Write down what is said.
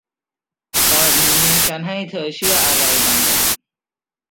ตอนนี้ชั้นให้เธอเชื่ออะไรบางอย่าง